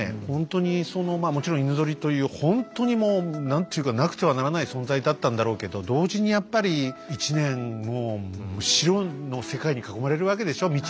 ほんとにもちろん犬ゾリというほんとにもう何ていうかなくてはならない存在だったんだろうけど同時にやっぱり１年白の世界に囲まれるわけでしょ